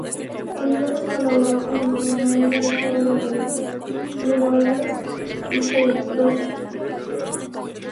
Oliveros colaboró con el gobernador del estado de Guerrero, Diego Álvarez, hijo del prócer.